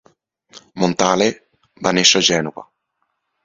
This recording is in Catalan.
Montale va néixer a Gènova.